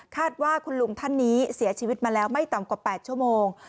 ว่าคุณลุงท่านนี้เสียชีวิตมาแล้วไม่ต่ำกว่า๘ชั่วโมง